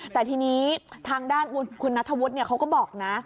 แต่ทีนี้ทางด้านคุณนัทธวุฒิเขาก็บอกนะ